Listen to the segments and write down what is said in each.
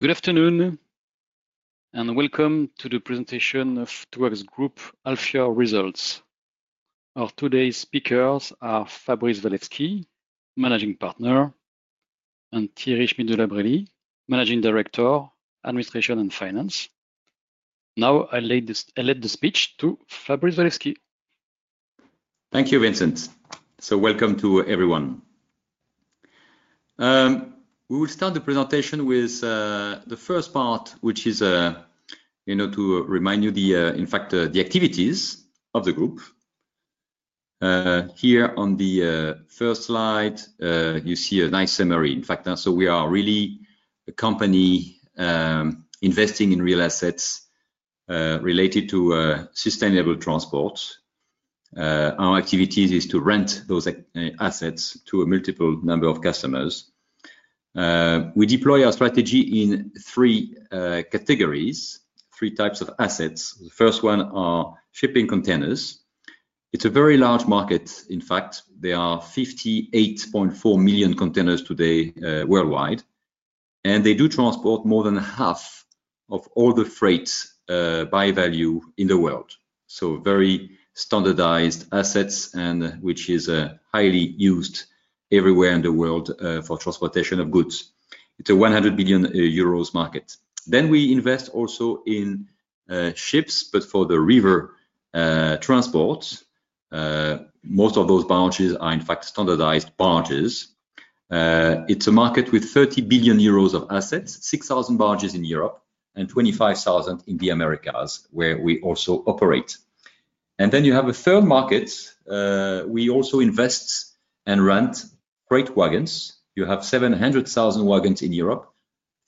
Good afternoon and welcome to the presentation of Touax Group Alpha Results. Our today's speakers are Fabrice Walewski, Managing Partner, and Thierry Schmidt de la Brele, Managing Director, Administration and Finance. Now, I'll let the speech to Fabrice Walewski. Thank you, Vincent. Welcome to everyone. We will start the presentation with the first part, which is to remind you, in fact, the activities of the group. Here on the first slide, you see a nice summary. In fact, we are really a company investing in real assets related to sustainable transport. Our activity is to rent those assets to a multiple number of customers. We deploy our strategy in three categories, three types of assets. The first one is shipping containers. It's a very large market, in fact. There are 58.4 million containers today worldwide, and they do transport more than half of all the freight by value in the world. Very standardized assets, which are highly used everywhere in the world for transportation of goods. It's a €100 billion market. We invest also in ships, but for the river transport. Most of those barges are, in fact, standardized barges. It's a market with €30 billion of assets, 6,000 barges in Europe and 25,000 in the Americas, where we also operate. You have a third market. We also invest and rent freight wagons. You have 700,000 wagons in Europe,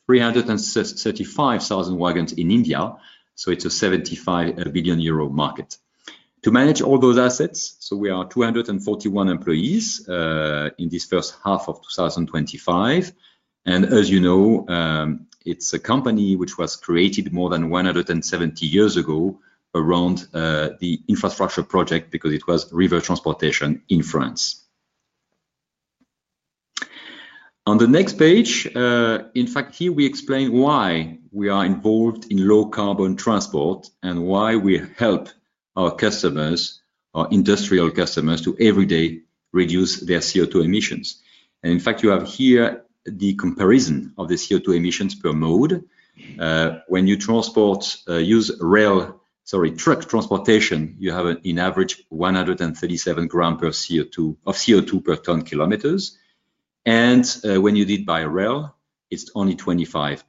335,000 wagons in India. It's a €75 billion market. To manage all those assets, we are 241 employees in this first half of 2025. As you know, it's a company which was created more than 170 years ago around the infrastructure project because it was river transportation in France. On the next page, here we explain why we are involved in low-carbon transport and why we help our customers, our industrial customers, to every day reduce their CO2 emissions. You have here the comparison of the CO2 emissions per mode. When you use truck transportation, you have an average of 137 grams of CO2 per ton kilometer. When you do it by rail, it's only 25,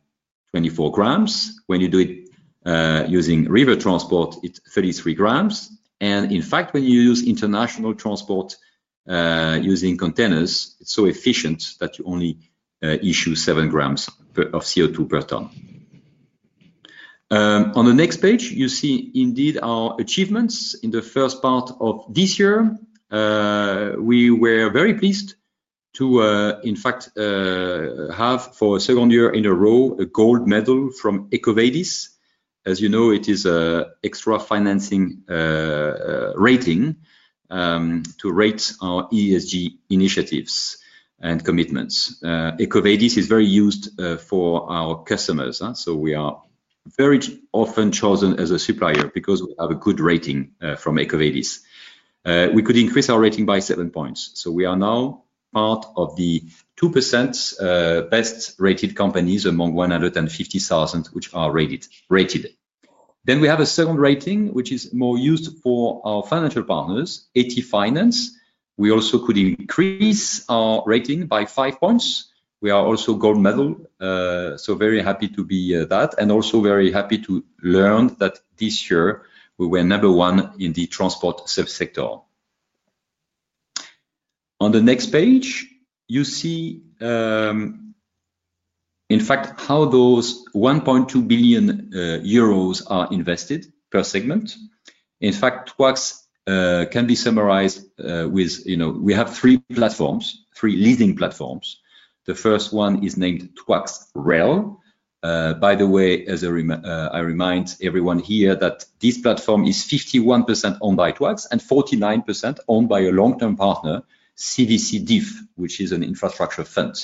24 grams. When you do it using river transport, it's 33 grams. When you use international transport using containers, it's so efficient that you only issue 7 grams of CO2 per ton. On the next page, you see indeed our achievements in the first part of this year. We were very pleased to have for a second year in a row a gold medal from EcoVadis. As you know, it is an extra financing rating to rate our ESG initiatives and commitments. EcoVadis is very used for our customers. We are very often chosen as a supplier because we have a good rating from EcoVadis. We could increase our rating by 7 points. We are now part of the 2% best rated companies among 150,000 which are rated. We have a second rating, which is more used for our financial partners, AT Finance. We also could increase our rating by 5 points. We are also a gold medal, so very happy to be that. Also very happy to learn that this year we were number one in the transport subsector. On the next page, you see, in fact, how those €1.2 billion are invested per segment. In fact, Touax can be summarized with, you know, we have three platforms, three leading platforms. The first one is named Touax Rail. By the way, I remind everyone here that this platform is 51% owned by Touax and 49% owned by a long-term partner, CVCDIF, which is an infrastructure fund.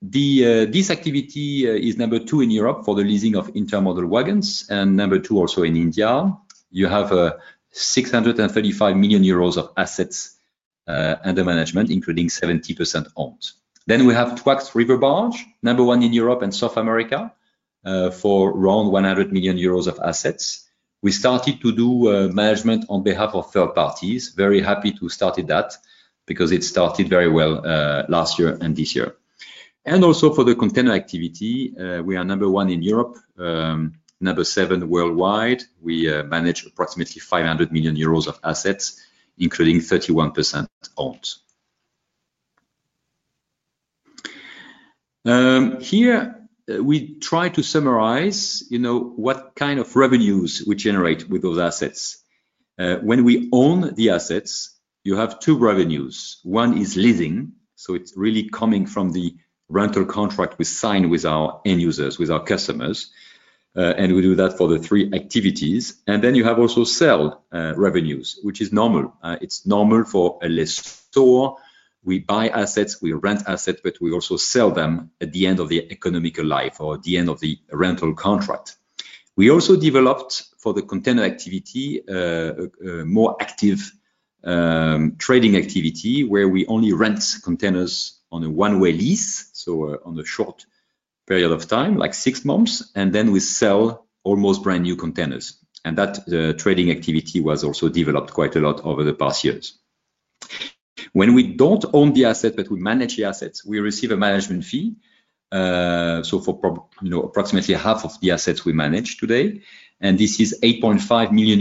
This activity is number two in Europe for the leasing of intermodal wagons and number two also in India. You have €635 million of assets under management, including 70% owned. We have Touax River Barge, number one in Europe and South America, for around €100 million of assets. We started to do management on behalf of third parties. Very happy to start that because it started very well last year and this year. Also for the container activity, we are number one in Europe, number seven worldwide. We manage approximately €500 million of assets, including 31% owned. Here, we try to summarize, you know, what kind of revenues we generate with those assets. When we own the assets, you have two revenues. One is leasing, so it's really coming from the rental contract we sign with our end users, with our customers. We do that for the three activities. You have also sell revenues, which is normal. It's normal for a lessor; we buy assets, we rent assets, but we also sell them at the end of the economic life or at the end of the rental contract. We also developed for the container activity a more active trading activity where we only rent containers on a one-way lease, so on a short period of time, like six months, and then we sell almost brand new containers. That trading activity was also developed quite a lot over the past years. When we don't own the assets, but we manage the assets, we receive a management fee. For approximately half of the assets we manage today, and this is €8.5 million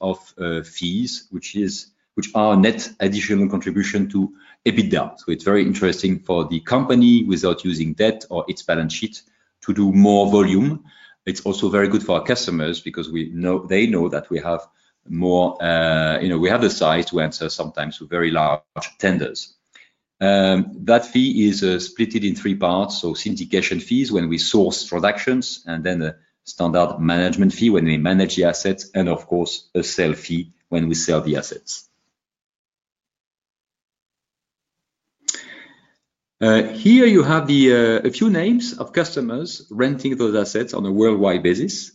of fees, which are a net additional contribution to EBITDA. It's very interesting for the company without using debt or its balance sheet to do more volume. It's also very good for our customers because they know that we have more, you know, we have the size to answer sometimes to very large tenders. That fee is split in three parts, syndication fees when we source productions, and then a standard management fee when we manage the assets, and of course a sale fee when we sell the assets. Here you have a few names of customers renting those assets on a worldwide basis.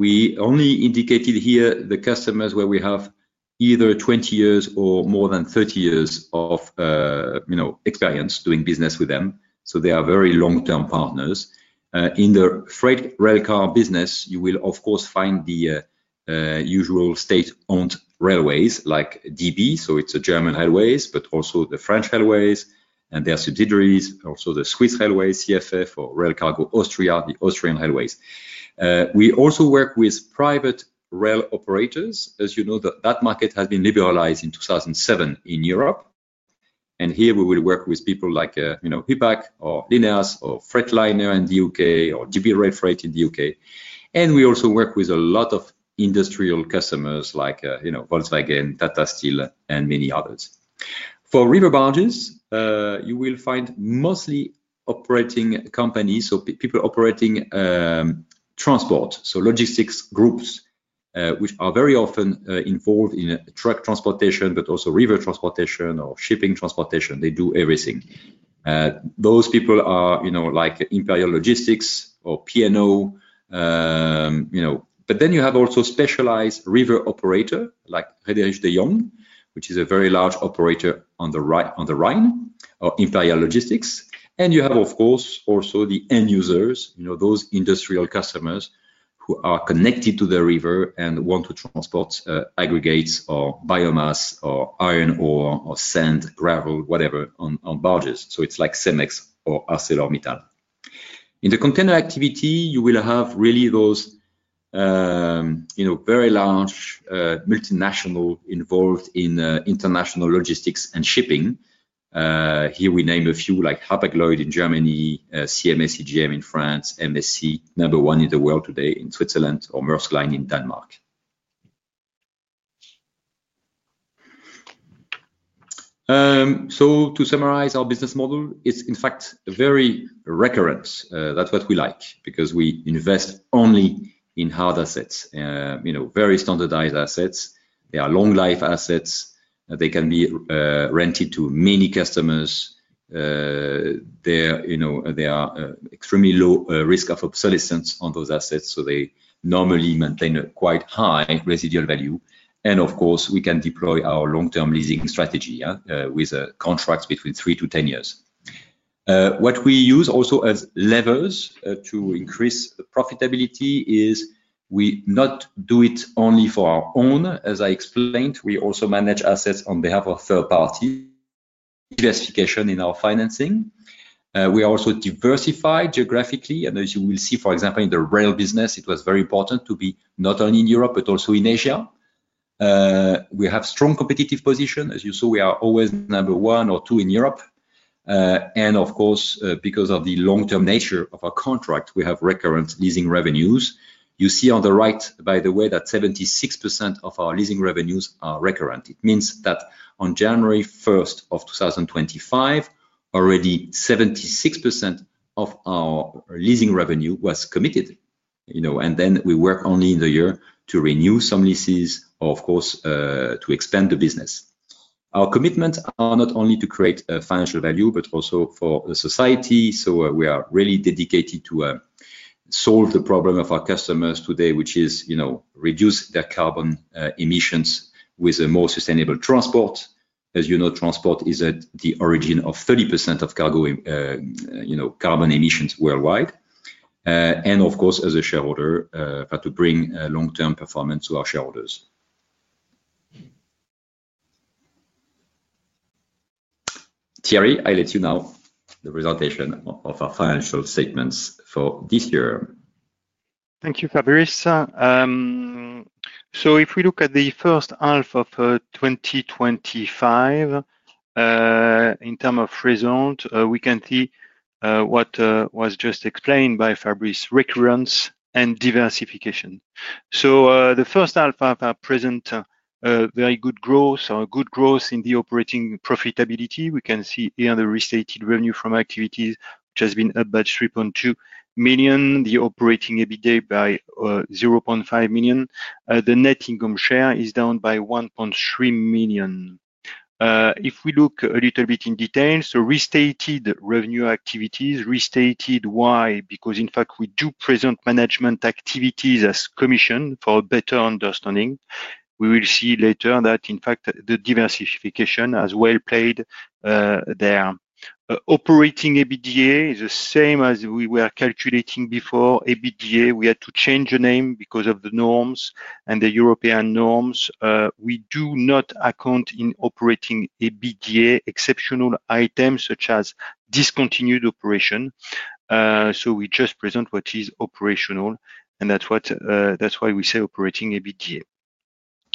We only indicated here the customers where we have either 20 years or more than 30 years of experience doing business with them. They are very long-term partners. In the freight railcar business, you will of course find the usual state-owned railways like Deutsche Bahn, so it's German Railways, but also the French Railways, and their subsidiaries, also the Swiss Railways, SBB, or Rail Cargo Austria, the Austrian Railways. We also work with private rail operators. As you know, that market has been liberalized in 2007 in Europe. Here we will work with people like Hupac or Lineas or Freightliner in the UK or DB Rail Freight in the UK. We also work with a lot of industrial customers like Volkswagen, Tata Steel, and many others. For river barges, you will find mostly operating companies, people operating transport, logistics groups, which are very often involved in truck transportation, but also river transportation or shipping transportation. They do everything. Those people are like Imperial Logistics or P&O. Then you have also specialized river operators like Friedrich de Jong, which is a very large operator on the Rhine or Imperial Logistics. You have, of course, also the end users, those industrial customers who are connected to the river and want to transport aggregates or biomass or iron or sand, gravel, whatever on barges. It's like Cemex or ArcelorMittal. In the container activity, you will have really those very large multinationals involved in international logistics and shipping. Here we name a few like Hapag-Lloyd in Germany, CMA CGM in France, MSC, number one in the world today in Switzerland, or Maersk Line in Denmark. To summarize our business model, it's in fact very recurrent. That's what we like because we invest only in hard assets, very standardized assets. They are long-life assets. They can be rented to many customers. They are extremely low risk of obsolescence on those assets. They normally maintain a quite high residual value. Of course, we can deploy our long-term leasing strategy with contracts between three to ten years. What we use also as levers to increase profitability is we do not do it only for our own. As I explained, we also manage assets on behalf of third parties. Diversification in our financing. We are also diversified geographically. As you will see, for example, in the rail business, it was very important to be not only in Europe, but also in Asia. We have a strong competitive position. As you saw, we are always number one or two in Europe. Of course, because of the long-term nature of our contract, we have recurrent leasing revenues. You see on the right, by the way, that 76% of our leasing revenues are recurrent. It means that on January 1, 2025, already 76% of our leasing revenue was committed. You know, then we work only in the year to renew some leases or, of course, to expand the business. Our commitments are not only to create financial value, but also for the society. We are really dedicated to solve the problem of our customers today, which is, you know, reduce their carbon emissions with a more sustainable transport. As you know, transport is at the origin of 30% of carbon emissions worldwide. Of course, as a shareholder, to bring long-term performance to our shareholders. Thierry, I let you now. The presentation of our financial statements for this year. Thank you, Fabrice. If we look at the first half of 2025, in terms of results, we can see what was just explained by Fabrice: recurrence and diversification. The first half of our present very good growth or good growth in the operating profitability. We can see here the restated revenue from activities which has been up by $3.2 million. The operating EBITDA by $0.5 million. The net income group share is down by $1.3 million. If we look a little bit in detail, restated revenue activities. Restated, why? Because in fact, we do present management activities as commission for a better understanding. We will see later that in fact, the diversification has well played there. Operating EBITDA is the same as we were calculating before. EBITDA, we had to change the name because of the norms and the European norms. We do not account in operating EBITDA exceptional items such as discontinued operation. We just present what is operational. That's why we say operating EBITDA.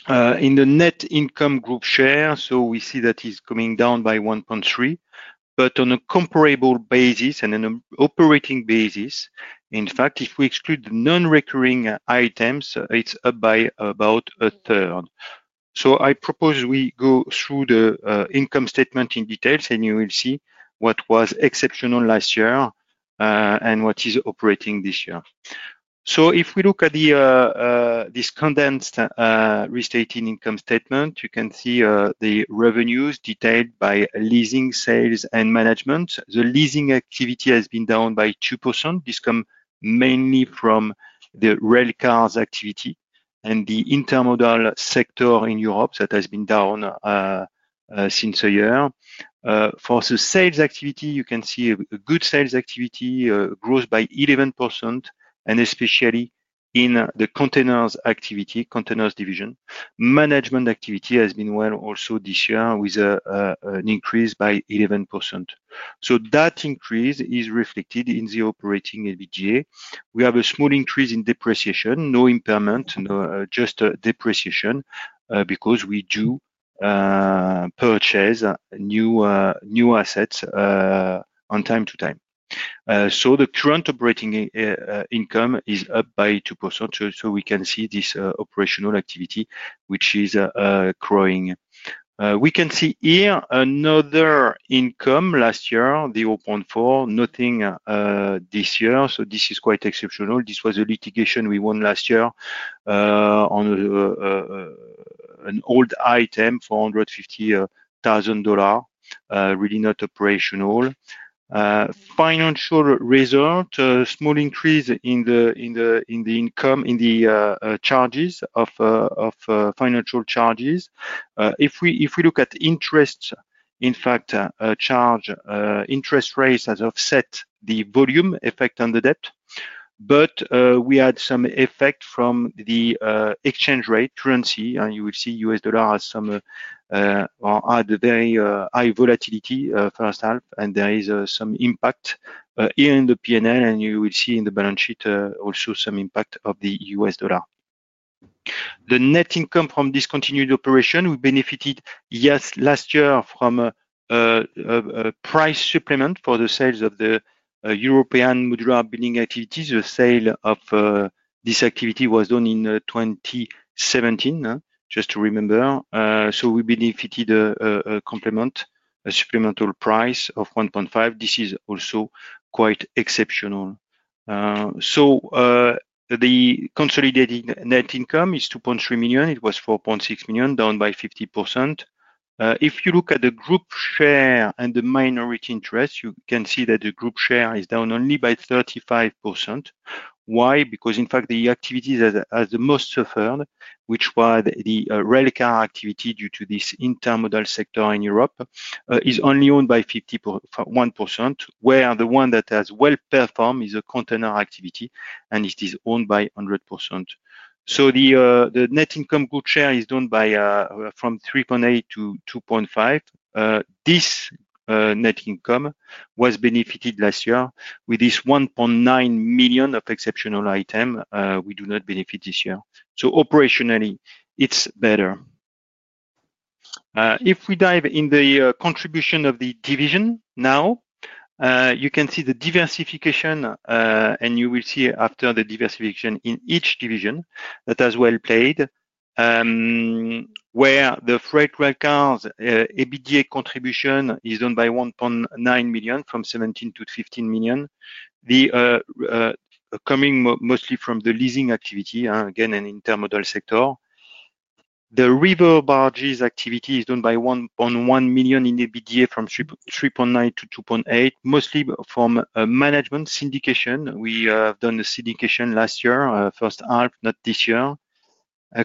In the net income group share, we see that it's coming down by $1.3 million. On a comparable basis and on an operating basis, if we exclude the non-recurring items, it's up by about a third. I propose we go through the income statement in detail and you will see what was exceptional last year and what is operating this year. If we look at this condensed restated income statement, you can see the revenues detailed by leasing, sales, and management. The leasing activity has been down by 2%. This comes mainly from the freight railcars activity and the intermodal sector in Europe that has been down since a year. For the sales activity, you can see a good sales activity grows by 11%. Especially in the maritime containers activity, containers division, management activity has been well also this year with an increase by 11%. That increase is reflected in the operating EBITDA. We have a small increase in depreciation, no impairment, just a depreciation because we do purchase new assets from time to time. The current operating income is up by 2%. We can see this operational activity, which is growing. We can see here another income last year, 0.4%. Nothing this year. This is quite exceptional. This was a litigation we won last year on an old item, $450,000. Really not operational. Financial result, small increase in the charges of financial charges. If we look at interest, in fact, charge, interest rates have set the volume effect on the debt. We had some effect from the exchange rate, currency. You will see U.S. dollar has some or had very high volatility first half. There is some impact here in the P&L. You will see in the balance sheet also some impact of the U.S. dollar. The net income from discontinued operation, we benefited last year from a price supplement for the sales of the European modular building activities. The sale of this activity was done in 2017, just to remember. We benefited a complement, a supplemental price of 1.5%. This is also quite exceptional. The consolidated net income is $2.3 million. It was $4.6 million, down by 50%. If you look at the group share and the minority interest, you can see that the group share is down only by 35%. Why? Because in fact, the activities that have the most suffered, which were the freight railcar activity due to this intermodal sector in Europe, is only owned by 51%, where the one that has well performed is the container activity. It is owned by 100%. The net income group share is down from 3.8% to 2.5%. This net income was benefited last year with this $1.9 million of exceptional items. We do not benefit this year. Operationally, it's better. If we dive in the contribution of the division now, you can see the diversification. You will see after the diversification in each division that has well played, where the freight railcars' EBITDA contribution is down by $1.9 million from $17 million to $15 million, coming mostly from the leasing activity, again, an intermodal sector. The river barges activity is down by $1.1 million in EBITDA from 3.9% to 2.8%, mostly from management syndication. We have done the syndication last year, first half, not this year.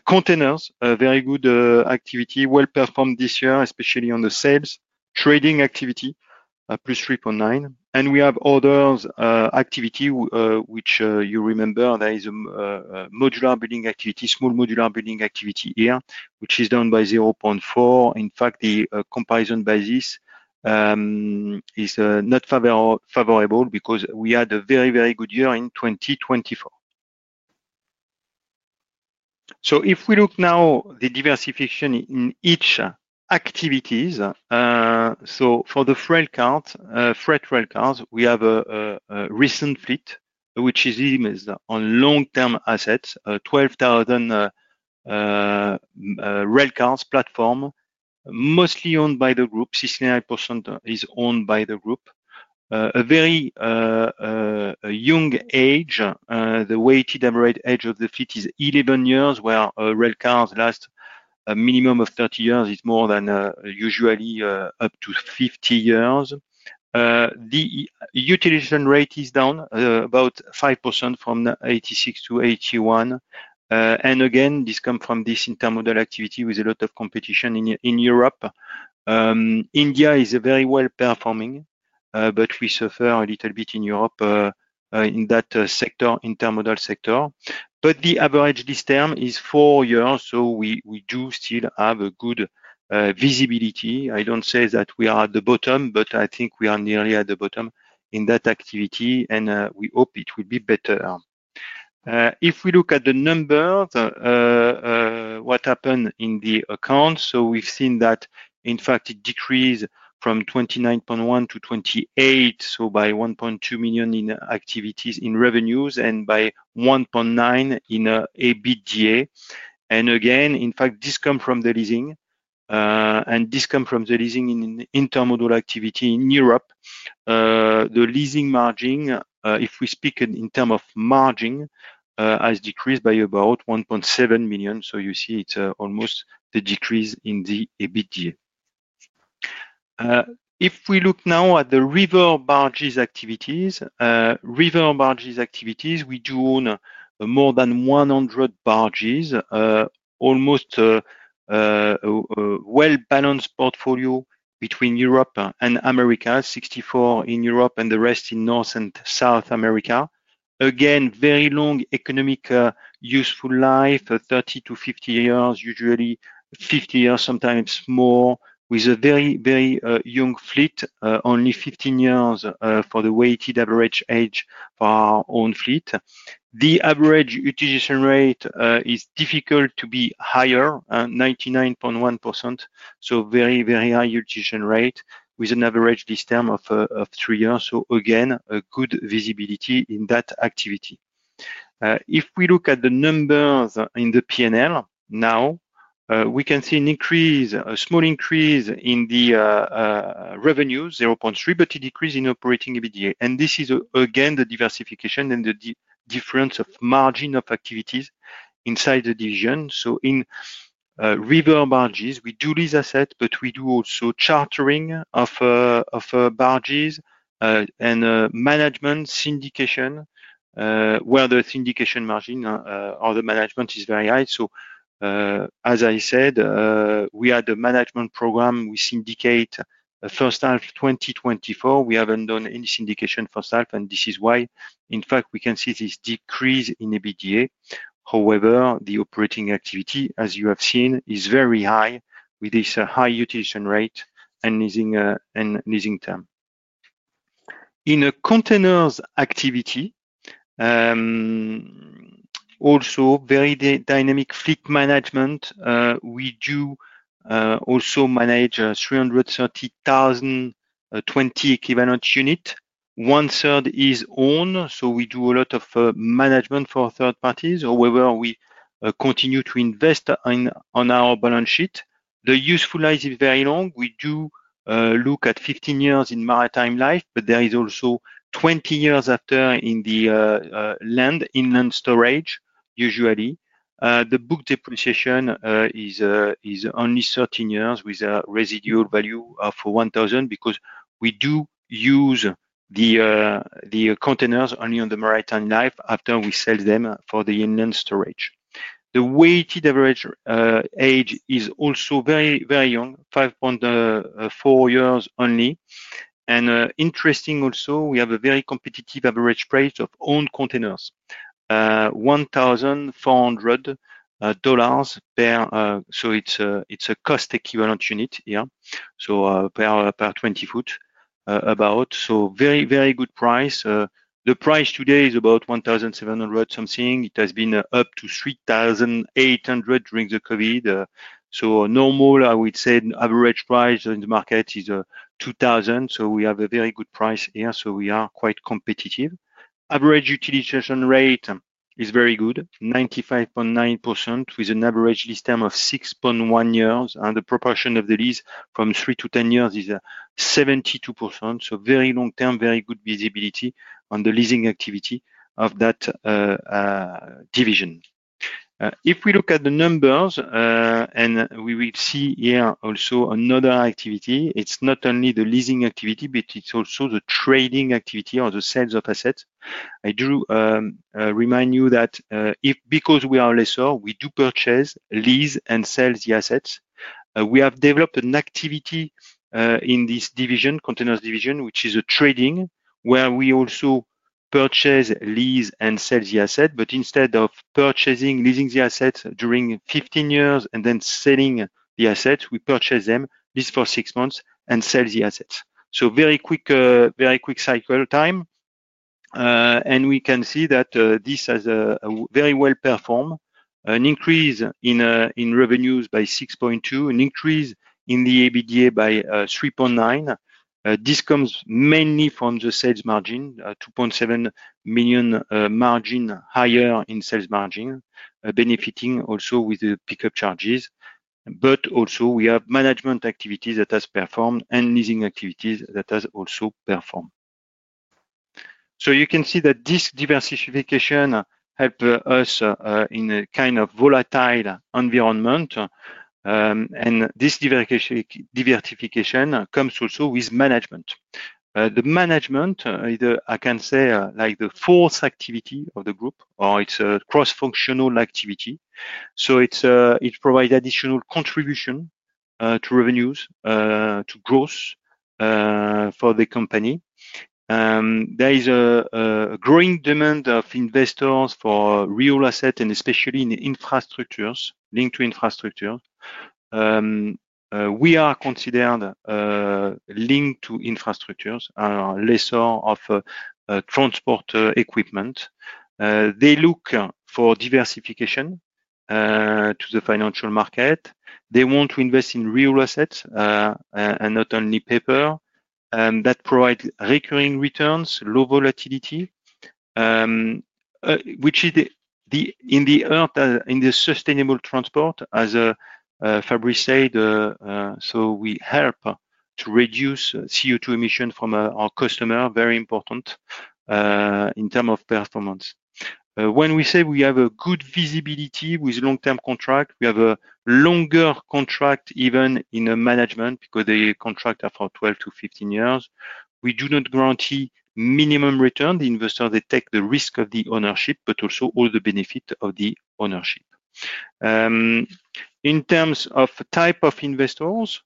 Containers, very good activity, well performed this year, especially on the sales trading activity, plus 3.9%. We have other activities, which you remember, there is a modular building activity, small modular building activity here, which is down by 0.4%. In fact, the comparison basis is not favorable because we had a very, very good year in 2024. If we look now at the diversification in each activity, for the freight railcars, we have a recent fleet, which is on long-term assets, 12,000 railcars platform, mostly owned by the group. 69% is owned by the group. A very young age, the weighted average age of the fleet is 11 years, where railcars last a minimum of 30 years. It's more than usually up to 50 years. The utilization rate is down about 5% from 86% to 81%. This comes from this intermodal activity with a lot of competition in Europe. India is very well performing, but we suffer a little bit in Europe in that sector, intermodal sector. The average this term is four years, so we do still have a good visibility. I don't say that we are at the bottom, but I think we are nearly at the bottom in that activity. We hope it will be better. If we look at the numbers, what happened in the accounts? We've seen that, in fact, it decreased from 29.1% to 28%. By $1.2 million in activities in revenues and by 1.9% in EBITDA. In fact, this comes from the leasing. This comes from the leasing in intermodal activity in Europe. The leasing margin, if we speak in terms of margin, has decreased by about $1.7 million. You see it's almost a decrease in the EBITDA. If we look now at the river barges activities, river barges activities, we do own more than 100 barges, almost a well-balanced portfolio between Europe and America, 64% in Europe and the rest in North and South America. Very long economic useful life, 30 to 50 years, usually 50 years, sometimes more, with a very, very young fleet, only 15 years for the weighted average age for our own fleet. The average utilization rate is difficult to be higher, 99.1%. Very, very high utilization rate with an average this term of three years. Again, a good visibility in that activity. If we look at the numbers in the P&L now, we can see an increase, a small increase in the revenues, 0.3%, but a decrease in operating EBITDA. This is again the diversification and the difference of margin of activities inside the division. In river barges, we do lease assets, but we do also chartering of barges and management syndication, where the syndication margin or the management is very high. As I said, we had a management program. We syndicate first half 2024. We haven't done any syndication first half. This is why, in fact, we can see this decrease in EBITDA. However, the operating activity, as you have seen, is very high with this high utilization rate and leasing term. In a containers activity, also very dynamic fleet management. We do also manage 330,000, 20 equivalent units. One third is owned. We do a lot of management for third parties. However, we continue to invest on our balance sheet. The useful life is very long. We do look at 15 years in maritime life, but there is also 20 years after in the land, inland storage usually. The book depreciation is only 13 years with a residual value of $1,000 because we do use the containers only on the maritime life after we sell them for the inland storage. The weighted average age is also very, very young, 5.4 years only. Interesting also, we have a very competitive average price of owned containers, $1,400 per, so it's a cost equivalent unit here. Per 20 foot, about. Very, very good price. The price today is about $1,700 something. It has been up to $3,800 during the COVID. Normal, I would say, an average price in the market is $2,000. We have a very good price here. We are quite competitive. Average utilization rate is very good, 95.9% with an average lease term of 6.1 years. The proportion of the lease from 3 to 10 years is 72%. Very long term, very good visibility on the leasing activity of that division. If we look at the numbers, and we will see here also another activity, it's not only the leasing activity, but it's also the trading activity or the sales of assets. I do remind you that because we are a lessor, we do purchase, lease, and sell the assets. We have developed an activity in this division, containers division, which is a trading where we also purchase, lease, and sell the asset. Instead of purchasing, leasing the assets during 15 years, and then selling the assets, we purchase them at least for six months and sell the assets. Very quick, very quick cycle time. We can see that this has very well performed, an increase in revenues by 6.2%, an increase in the EBITDA by 3.9%. This comes mainly from the sales margin, $2.7 million margin higher in sales margin, benefiting also with the pickup charges. We have management activities that have performed and leasing activities that have also performed. You can see that this diversification helps us in a kind of volatile environment. This diversification comes also with management. The management, either I can say, like the fourth activity of the group, or it's a cross-functional activity. It provides additional contribution to revenues, to growth for the company. There is a growing demand of investors for real assets, and especially in infrastructures, linked to infrastructure. We are considered linked to infrastructures, a lessor of transport equipment. They look for diversification to the financial market. They want to invest in real assets and not only paper. That provides recurring returns, low volatility, which is in the sustainable transport, as Fabrice said. We help to reduce CO2 emissions from our customers, very important in terms of performance. When we say we have a good visibility with long-term contract, we have a longer contract even in management because they contract for 12 to 15 years. We do not guarantee minimum return. The investors take the risk of the ownership, but also all the benefits of the ownership. In terms of type of investors,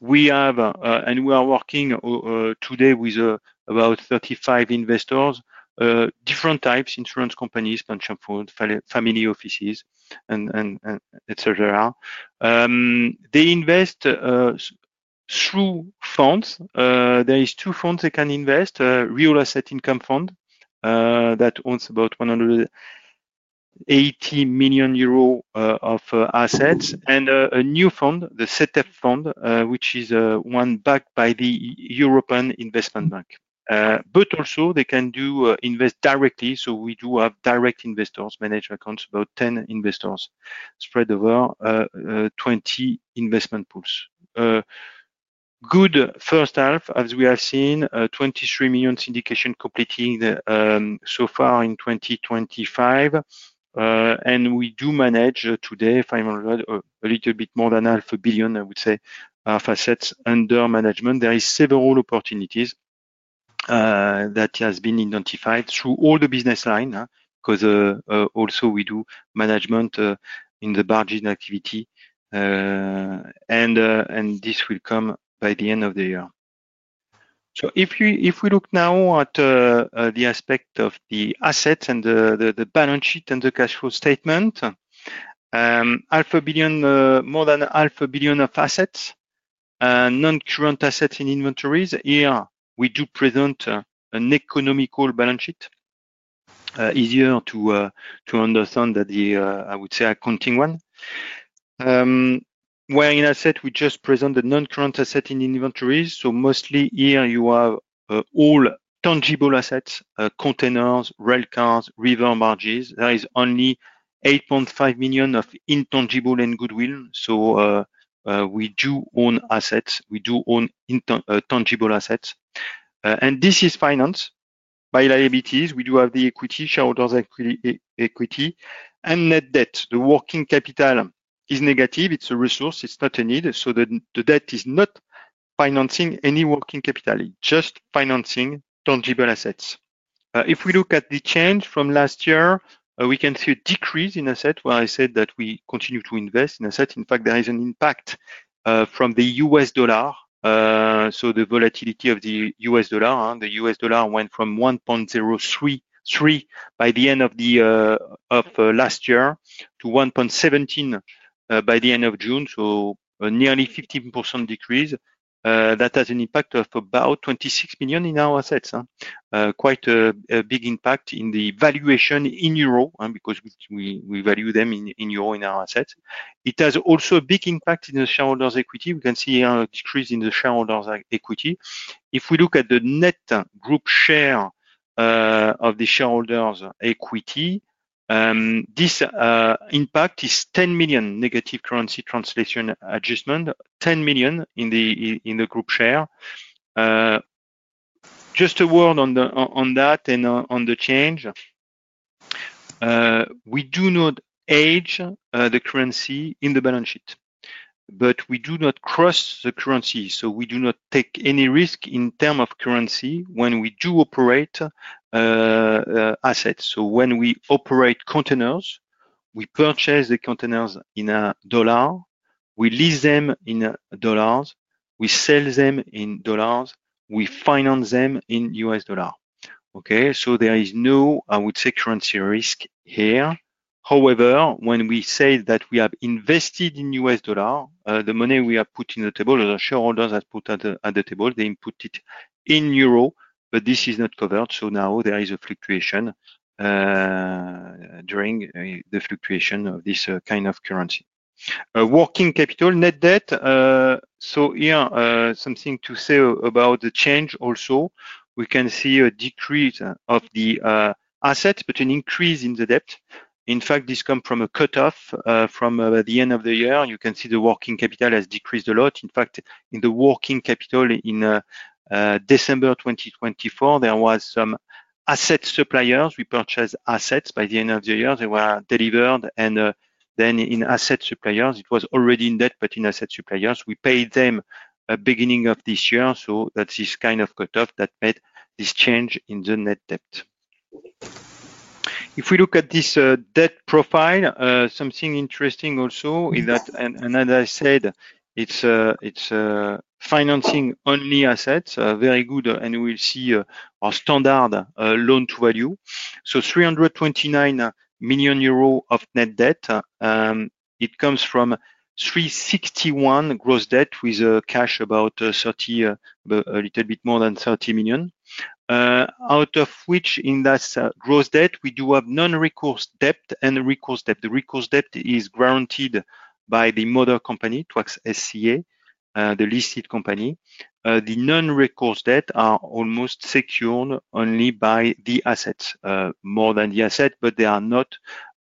we have, and we are working today with about 35 investors, different types, insurance companies, pension funds, family offices, etc. They invest through funds. There are two funds they can invest, a real asset income fund that owns about €180 million of assets, and a new fund, the setup fund, which is one backed by the European Investment Bank. They can also invest directly. We do have direct investors, managed accounts, about 10 investors spread over 20 investment pools. Good first half, as we have seen, €23 million syndication completing so far in 2025. We do manage today €500 million, a little bit more than half a billion, I would say, of assets under management. There are several opportunities that have been identified through all the business lines because we do management in the barging activity. This will come by the end of the year. If we look now at the aspect of the assets and the balance sheet and the cash flow statement, more than half a billion of assets, non-current assets in inventories. Here, we do present an economical balance sheet. Easier to understand than, I would say, an accounting one. In assets, we just present the non-current assets in inventories. Mostly here, you have all tangible assets, containers, freight railcars, river barges. There is only €8.5 million of intangible and goodwill. We do own assets. We do own intangible assets. This is financed by liabilities. We do have the equity, shareholders' equity, and net debt. The working capital is negative. It's a resource. It's not a need. The debt is not financing any working capital. It's just financing tangible assets. If we look at the change from last year, we can see a decrease in assets, where I said that we continue to invest in assets. In fact, there is an impact from the U.S. dollar. The volatility of the U.S. dollar, the U.S. dollar went from 1.03 by the end of last year to 1.17 by the end of June. A nearly 15% decrease. That has an impact of about €26 million in our assets. Quite a big impact in the valuation in euro because we value them in euro in our assets. It has also a big impact in the shareholders' equity. We can see a decrease in the shareholders' equity. If we look at the net group share of the shareholders' equity, this impact is €10 million negative currency translation adjustment, €10 million in the group share. Just a word on that and on the change. We do not hedge the currency in the balance sheet, but we do not cross the currency. We do not take any risk in terms of currency when we do operate assets. When we operate containers, we purchase the containers in a dollar. We lease them in dollars. We sell them in dollars. We finance them in U.S. dollars. There is no, I would say, currency risk here. However, when we say that we have invested in U.S. dollars, the money we have put in the table, the shareholders have put at the table, they input it in euro, but this is not covered. Now there is a fluctuation during the fluctuation of this kind of currency. Working capital, net debt. Here, something to say about the change also. We can see a decrease of the assets, but an increase in the debt. In fact, this comes from a cutoff from the end of the year. You can see the working capital has decreased a lot. In fact, in the working capital in December 2024, there were some asset suppliers. We purchased assets by the end of the year. They were delivered. In asset suppliers, it was already in debt, but in asset suppliers, we paid them at the beginning of this year. That's this kind of cutoff that made this change in the net debt. If we look at this debt profile, something interesting also is that, as I said, it's financing only assets, very good. We will see our standard loan-to-value. €329 million of net debt. It comes from €361 million gross debt with cash about €30 million, a little bit more than €30 million. Out of which, in that gross debt, we do have non-recourse debt and recourse debt. The recourse debt is guaranteed by the mother company, Touax SCA, the listed company. The non-recourse debt is almost secured only by the assets, more than the assets, but they are not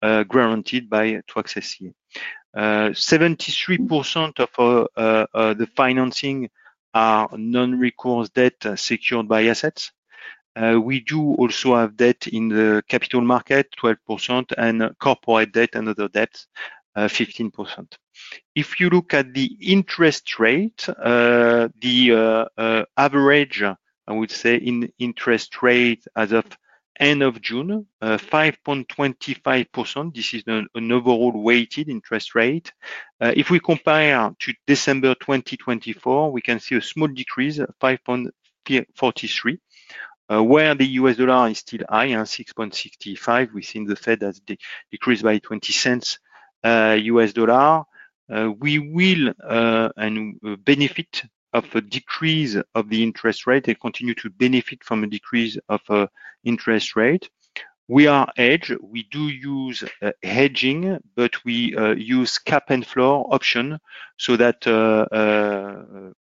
guaranteed by Touax SCA. 73% of the financing are non-recourse debt secured by assets. We do also have debt in the capital market, 12%, and corporate debt and other debts, 15%. If you look at the interest rate, the average, I would say, in interest rate as of the end of June, 5.25%. This is an overall weighted interest rate. If we compare to December 2024, we can see a small decrease of 5.43%, where the U.S. dollar is still high, 6.65%. We think the Fed has decreased by $0.20 U.S. dollar. We will benefit of a decrease of the interest rate. They continue to benefit from a decrease of interest rate. We are hedged. We do use hedging, but we use cap and floor option so that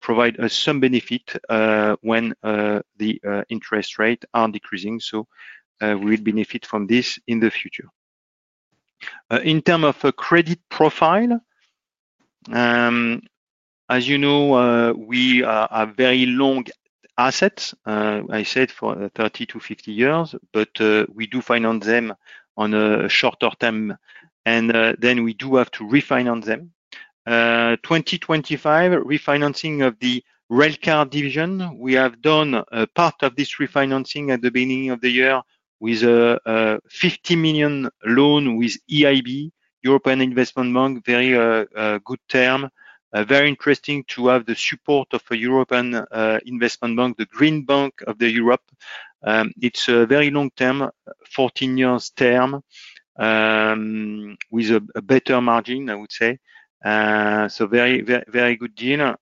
provides us some benefit when the interest rates are decreasing. We will benefit from this in the future. In terms of a credit profile, as you know, we have very long assets. I said for 30 to 50 years, but we do finance them on a shorter term. We do have to refinance them. In 2025, refinancing of the rail car division. We have done part of this refinancing at the beginning of the year with a $50 million loan with the European Investment Bank. Very good term. Very interesting to have the support of the European Investment Bank, the Green Bank of Europe. It's a very long term, 14 years term, with a better margin, I would say. Very, very good deal.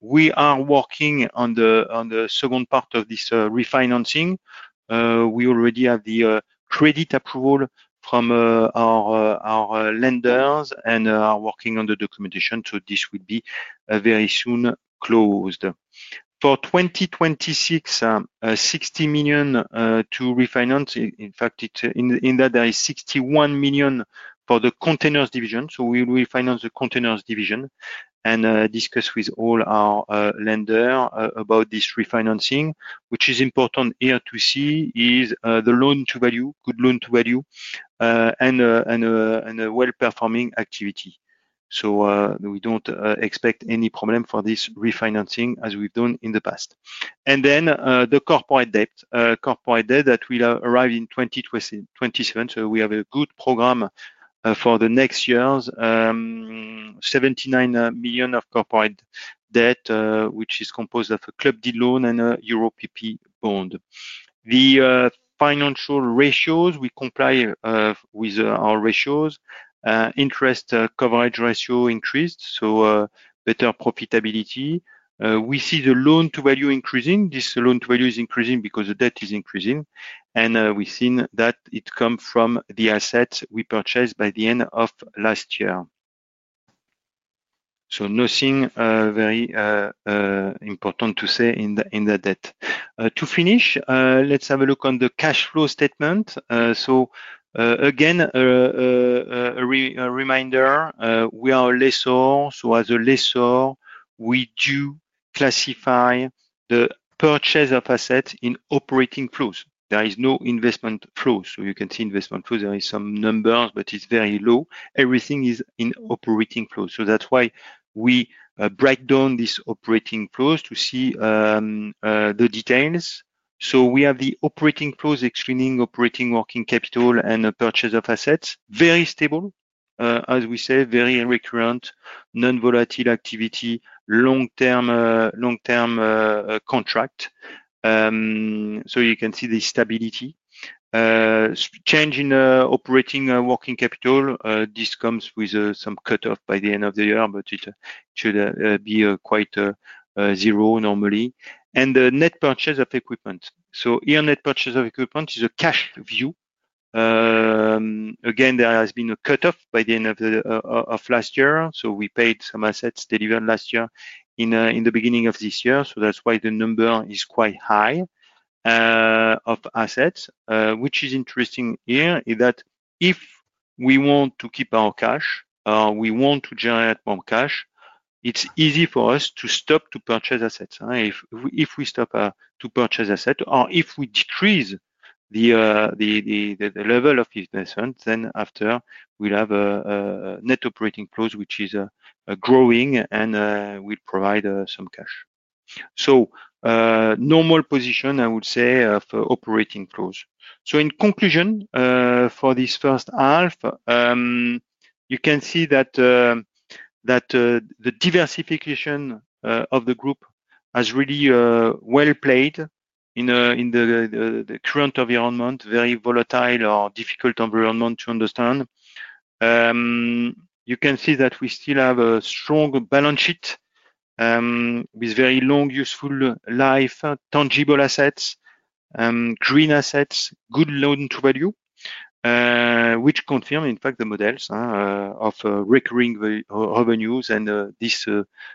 We are working on the second part of this refinancing. We already have the credit approval from our lenders and are working on the documentation. This would be very soon closed. For 2026, $60 million to refinance. In fact, in that there is $61 million for the containers division. We will refinance the containers division and discuss with all our lenders about this refinancing. What is important here to see is the loan-to-value, good loan-to-value, and a well-performing activity. We don't expect any problem for this refinancing as we've done in the past. The corporate debt, corporate debt that will arrive in 2027. We have a good program for the next years. $79 million of corporate debt, which is composed of a club deed loan and a European PPP bond. The financial ratios, we comply with our ratios. Interest coverage ratio increased. Better profitability. We see the loan-to-value increasing. This loan-to-value is increasing because the debt is increasing. We've seen that it comes from the assets we purchased by the end of last year. Nothing very important to say in the debt. To finish, let's have a look on the cash flow statement. Again, a reminder, we are a lessor. As a lessor, we do classify the purchase of assets in operating flows. There is no investment flows. You can see investment flows, there are some numbers, but it's very low. Everything is in operating flows. That's why we break down these operating flows to see the details. We have the operating flows, excluding operating working capital and the purchase of assets. Very stable, as we said, very recurrent, non-volatile activity, long-term contract. You can see the stability. Change in operating working capital, this comes with some cutoff by the end of the year, but it should be quite zero normally. The net purchase of equipment, here net purchase of equipment is a cash view. Again, there has been a cutoff by the end of last year. We paid some assets delivered last year in the beginning of this year. That's why the number is quite high of assets. What is interesting here is that if we want to keep our cash or we want to generate more cash, it's easy for us to stop to purchase assets. If we stop to purchase assets or if we decrease the level of investment, then after we'll have a net operating flows, which is growing, and will provide some cash. Normal position, I would say, of operating flows. In conclusion, for this first half, you can see that the diversification of the group has really well played in the current environment, very volatile or difficult environment to understand. You can see that we still have a strong balance sheet with very long useful life, tangible assets, green assets, good loan-to-value, which confirm, in fact, the models of recurring revenues and this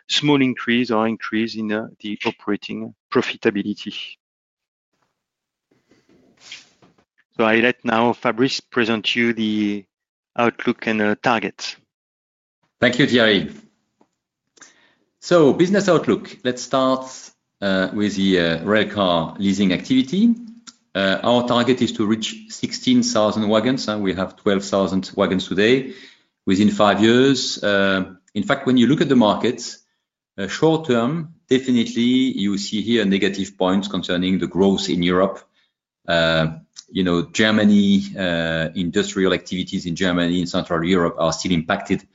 small increase or increase in the operating profitability. I let now Fabrice present you the outlook and targets. Thank you, Thierry. Business outlook, let's start with the rail car leasing activity. Our target is to reach 16,000 wagons. We have 12,000 wagons today within five years. In fact, when you look at the markets, short term, definitely you see here negative points concerning the growth in Europe. Germany, industrial activities in Germany and Central Europe are still impacted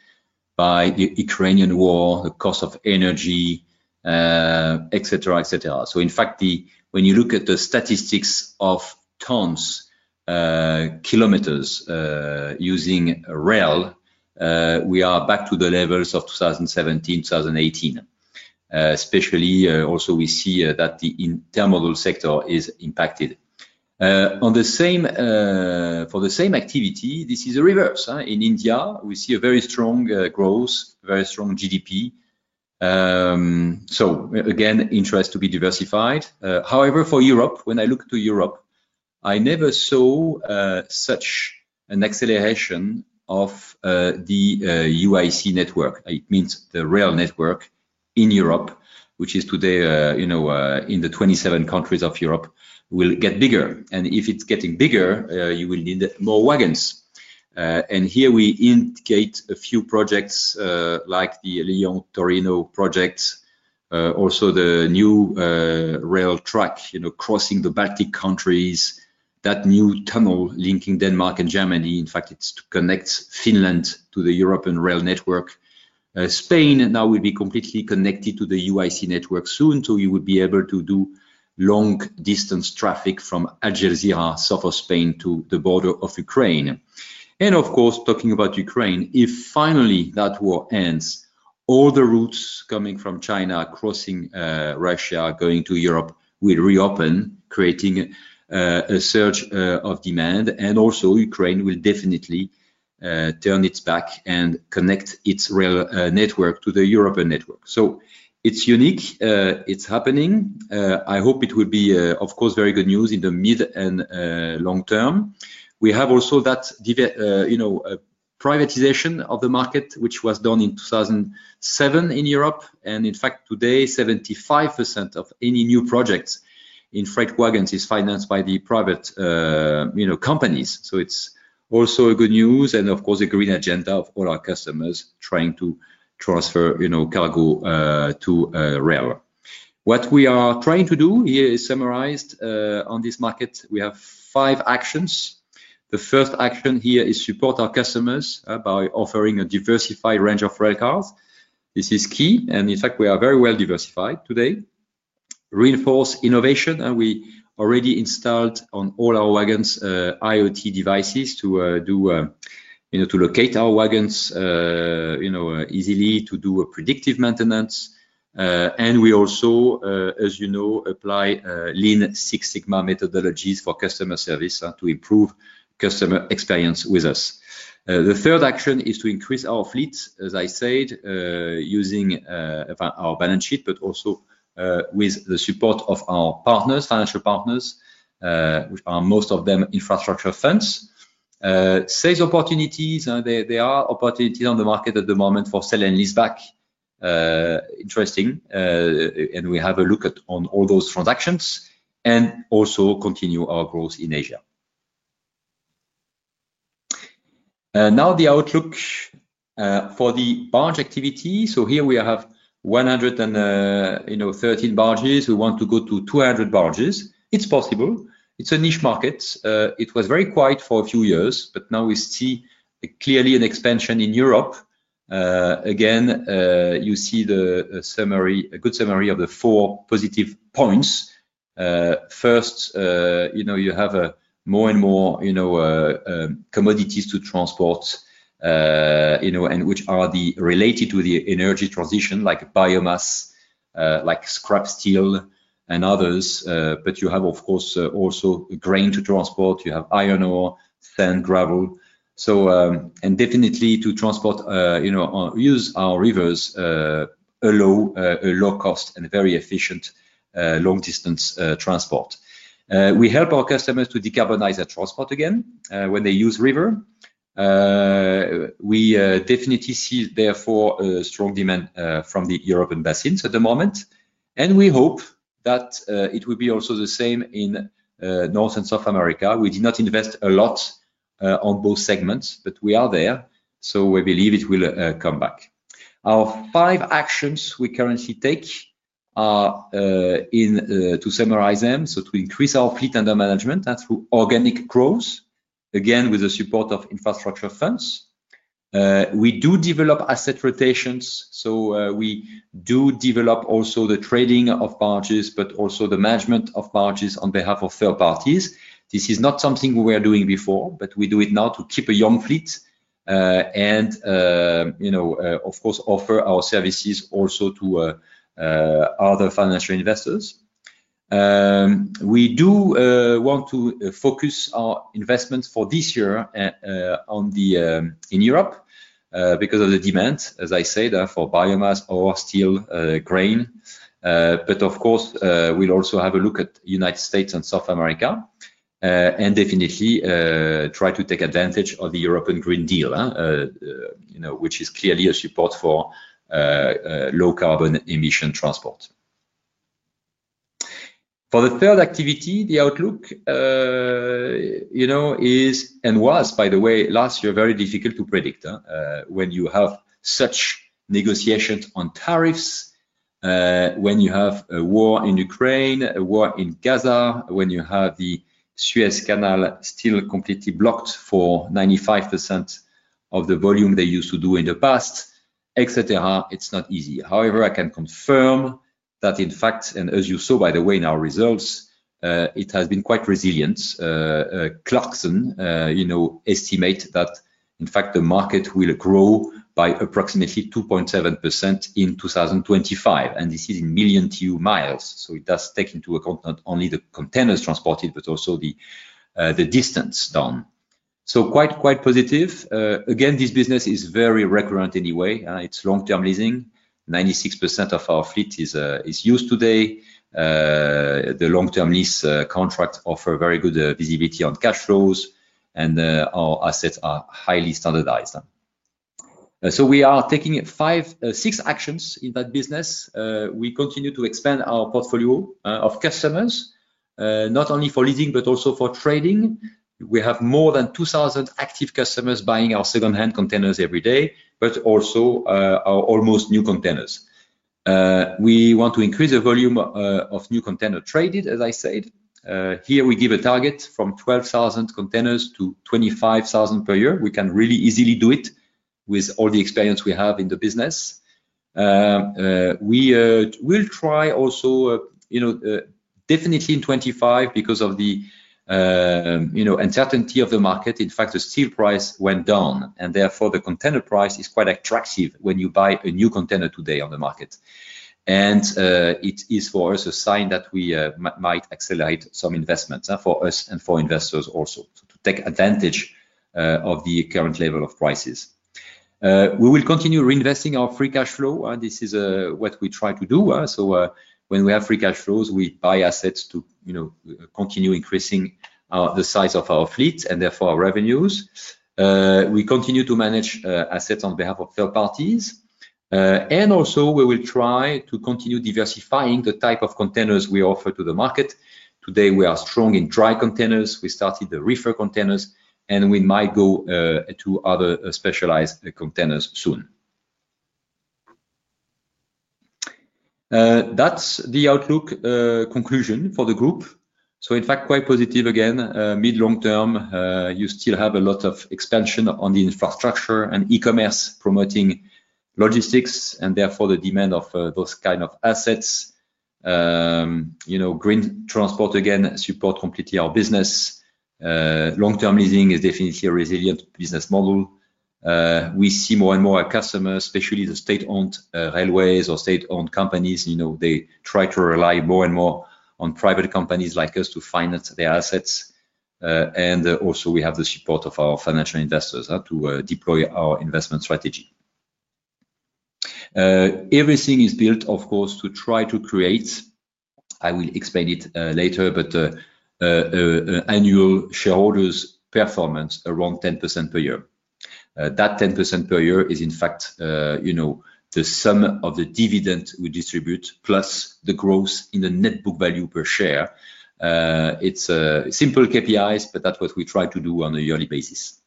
by the Ukrainian war, the cost of energy, etc., etc. In fact, when you look at the statistics of tons, kilometers using rail, we are back to the levels of 2017, 2018. Especially also, we see that the intermodal sector is impacted. For the same activity, this is a reverse. In India, we see a very strong growth, very strong GDP. Again, interest to be diversified. However, for Europe, when I look to Europe, I never saw such an acceleration of the UIC network. It means the rail network in Europe, which is today, in the 27 countries of Europe, will get bigger. If it's getting bigger, you will need more wagons. Here we indicate a few projects like the Lyon-Torino project, also the new rail track crossing the Baltic countries, that new tunnel linking Denmark and Germany. In fact, it connects Finland to the European rail network. Spain now will be completely connected to the UIC network soon. You will be able to do long-distance traffic from Algeciras south of Spain to the border of Ukraine. Of course, talking about Ukraine, if finally that war ends, all the routes coming from China, crossing Russia, going to Europe will reopen, creating a surge of demand. Also, Ukraine will definitely turn its back and connect its rail network to the European network. It's unique. It's happening. I hope it will be, of course, very good news in the mid and long term. We have also that privatization of the market, which was done in 2007 in Europe. In fact, today, 75% of any new projects in freight wagons is financed by the private companies. It's also good news. Of course, the green agenda of all our customers trying to transfer cargo to rail. What we are trying to do here is summarized on this market. We have five actions. The first action here is to support our customers by offering a diversified range of rail cars. This is key. In fact, we are very well diversified today. Reinforce innovation. We already installed on all our wagons IoT devices to, you know, to locate our wagons, you know, easily, to do predictive maintenance. We also, as you know, apply Lean Six Sigma methodologies for customer service to improve customer experience with us. The third action is to increase our fleets, as I said, using our balance sheet, but also with the support of our partners, financial partners, which are most of them infrastructure funds. Sales opportunities, there are opportunities on the market at the moment for sell and lease back. Interesting. We have a look on all those transactions and also continue our growth in Asia. Now the outlook for the barge activity. Here we have 113 barges. We want to go to 200 barges. It's possible. It's a niche market. It was very quiet for a few years, but now we see clearly an expansion in Europe. Again, you see a good summary of the four positive points. First, you know, you have more and more, you know, commodities to transport, you know, and which are related to the energy transition, like biomass, like scrap steel, and others. You have, of course, also grain to transport. You have iron ore, sand, gravel. So, and definitely to transport, you know, use our rivers, a low cost and very efficient long-distance transport. We help our customers to decarbonize their transport again when they use river. We definitely see, therefore, a strong demand from the European basins at the moment. We hope that it will be also the same in North and South America. We did not invest a lot on both segments, but we are there. We believe it will come back. Our five actions we currently take are to summarize them. To increase our fleet under management through organic growth, again with the support of infrastructure funds. We do develop asset rotations. We do develop also the trading of barges, but also the management of barges on behalf of third parties. This is not something we were doing before, but we do it now to keep a young fleet and, you know, of course, offer our services also to other financial investors. We do want to focus our investments for this year in Europe because of the demand, as I said, for biomass, or steel, grain. Of course, we'll also have a look at the United States and South America and definitely try to take advantage of the European Green Deal, which is clearly a support for low carbon emission transport. For the third activity, the outlook is, and was, by the way, last year, very difficult to predict when you have such negotiations on tariffs, when you have a war in Ukraine, a war in Gaza, when you have the Suez Canal still completely blocked for 95% of the volume they used to do in the past, etc. It's not easy. However, I can confirm that, in fact, and as you saw, by the way, in our results, it has been quite resilient. Clarkson estimates that, in fact, the market will grow by approximately 2.7% in 2025. This is in million-through-miles. It does take into account not only the containers transported, but also the distance done. Quite positive. Again, this business is very recurrent anyway. It's long-term leasing. 96% of our fleet is used today. The long-term lease contracts offer very good visibility on cash flows, and our assets are highly standardized. We are taking six actions in that business. We continue to expand our portfolio of customers, not only for leasing, but also for trading. We have more than 2,000 active customers buying our second-hand containers every day, but also our almost new containers. We want to increase the volume of new containers traded, as I said. Here we give a target from 12,000 containers to 25,000 per year. We can really easily do it with all the experience we have in the business. We will try also, definitely in 2025 because of the uncertainty of the market. In fact, the steel price went down, and therefore the container price is quite attractive when you buy a new container today on the market. It is for us a sign that we might accelerate some investments for us and for investors also to take advantage of the current level of prices. We will continue reinvesting our free cash flow. This is what we try to do. When we have free cash flows, we buy assets to continue increasing the size of our fleet and therefore our revenues. We continue to manage assets on behalf of third parties. We will try to continue diversifying the type of containers we offer to the market. Today we are strong in dry containers. We started the reefer containers, and we might go to other specialized containers soon. That's the outlook conclusion for the group. In fact, quite positive again. Mid-long term, you still have a lot of expansion on the infrastructure and e-commerce promoting logistics, and therefore the demand of those kinds of assets. You know, green transport again supports completely our business. Long-term leasing is definitely a resilient business model. We see more and more customers, especially the state-owned railways or state-owned companies, they try to rely more and more on private companies like us to finance their assets. Also, we have the support of our financial investors to deploy our investment strategy. Everything is built, of course, to try to create, I will explain it later, but annual shareholders' performance around 10% per year. That 10% per year is, in fact, the sum of the dividend we distribute plus the growth in the net book value per share. It's simple KPIs, but that's what we try to do on a yearly basis.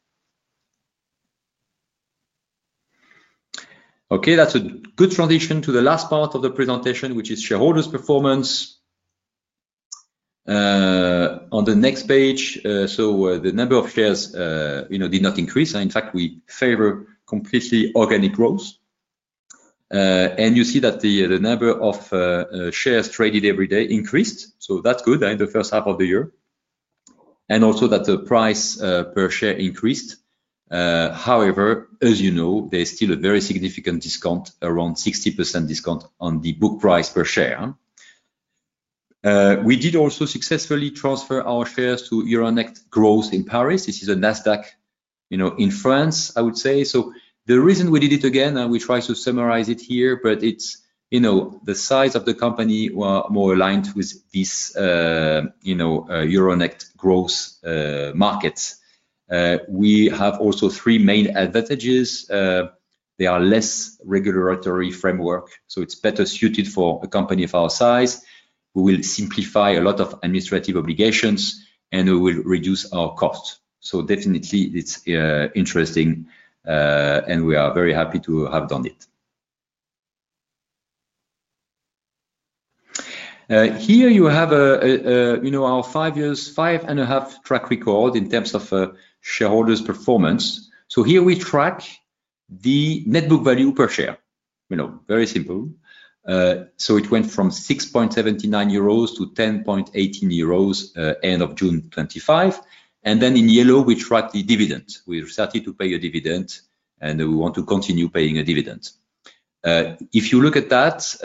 Okay, that's a good transition to the last part of the presentation, which is shareholders' performance. On the next page, the number of shares did not increase. In fact, we favor completely organic growth. You see that the number of shares traded every day increased. That's good in the first half of the year. Also, the price per share increased. However, as you know, there's still a very significant discount, around 60% discount on the book price per share. We did also successfully transfer our shares to Euronext Growth Paris. This is a Nasdaq in France, I would say. The reason we did it again, and we try to summarize it here, but it's the size of the company was more aligned with this Euronext Growth market. We have also three main advantages. There is less regulatory framework. It's better suited for a company of our size. We will simplify a lot of administrative obligations, and we will reduce our cost. Definitely, it's interesting, and we are very happy to have done it. Here you have our five years, five and a half track record in terms of shareholders' performance. Here we track the net book value per share. Very simple. It went from €6.79 to €10.18 end of June 2025. In yellow, we track the dividend. We've started to pay a dividend, and we want to continue paying a dividend. If you look at that,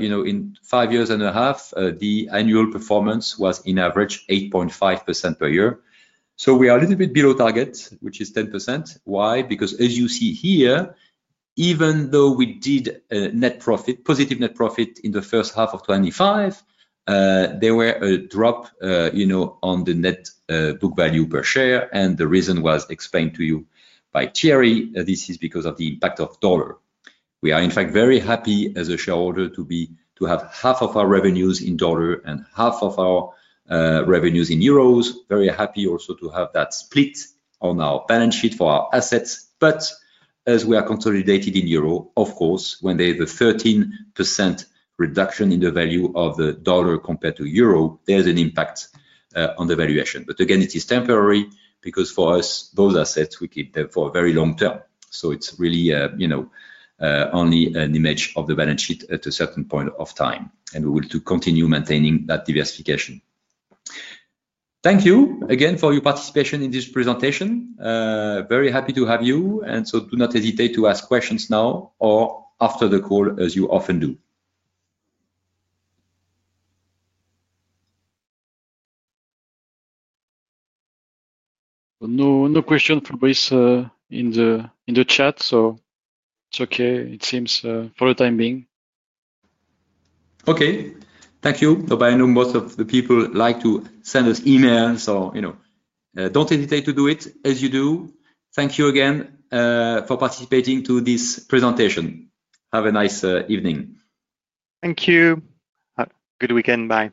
in five years and a half, the annual performance was in average 8.5% per year. We are a little bit below target, which is 10%. Why? Because as you see here, even though we did a net profit, positive net profit in the first half of 2025, there was a drop on the net book value per share. The reason was explained to you by Thierry. This is because of the impact of the dollar. We are, in fact, very happy as a shareholder to have half of our revenues in dollars and half of our revenues in euros. Very happy also to have that split on our balance sheet for our assets. As we are consolidated in euros, of course, when there's a 13% reduction in the value of the dollar compared to the euro, there's an impact on the valuation. It is temporary because for us, those assets, we keep them for a very long term. It is really only an image of the balance sheet at a certain point of time. We will continue maintaining that diversification. Thank you again for your participation in this presentation. Very happy to have you. Do not hesitate to ask questions now or after the call, as you often do. No questions, Fabrice, in the chat. It's okay, it seems, for the time being. Okay, thank you. I know most of the people like to send us emails, so you know, don't hesitate to do it as you do. Thank you again for participating to this presentation. Have a nice evening. Thank you. Have a good weekend, bye.